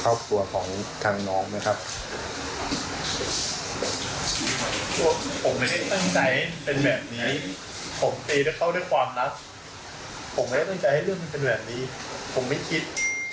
ความรักผมไม่ได้ตั้งใจให้เรื่องมันเป็นแบบนี้ผมไม่คิด